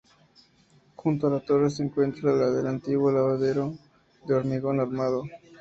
Junto a la torre se encuentra la del antiguo lavadero, de hormigón armado.